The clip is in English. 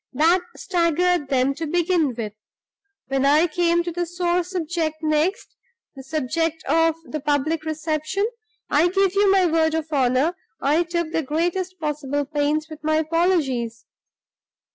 That staggered them to begin with. When I came to the sore subject next the subject of the public reception I give you my word of honor I took the greatest possible pains with my apologies.